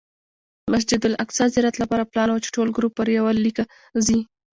د مسجد الاقصی زیارت لپاره پلان و چې ټول ګروپ پر یوه لیکه ځي.